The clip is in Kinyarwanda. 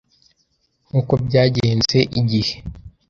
Nk uko byagenze igihe